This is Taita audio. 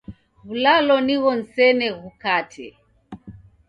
W'ulalo nigho nisene ghukate.